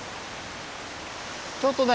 ちょっとね